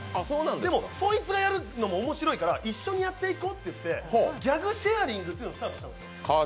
でも、そいつがやるのも面白いから一緒にやっていこうってことで、ギャグシェアリングっていうのをスタートしたんです。